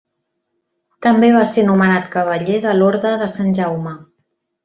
També va ser nomenat cavaller de l'Orde de Sant Jaume.